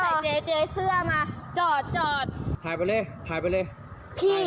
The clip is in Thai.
เจ๊เจ๊เสื้อมาจอดจอดถ่ายไปเลยถ่ายไปเลยพี่